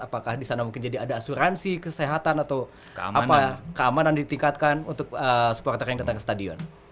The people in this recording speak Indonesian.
apakah di sana mungkin jadi ada asuransi kesehatan atau apa keamanan ditingkatkan untuk supporter yang datang ke stadion